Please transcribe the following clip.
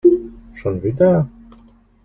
Schon wieder?